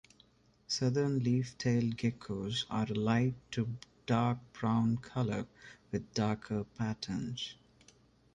Southern leaf tailed geckos are a light to dark brown colour with darker patterns.